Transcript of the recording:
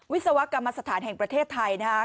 วิศวกรรมสถานแห่งประเทศไทยนะครับ